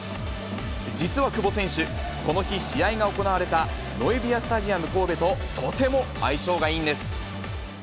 実は久保選手、この日、試合が行われたノエビアスタジアム神戸と、とても相性がいいんです。